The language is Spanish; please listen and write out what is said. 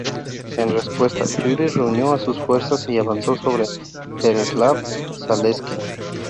En respuesta, Yuri reunió a sus fuerzas y avanzó sobre Pereslavl-Zaleski.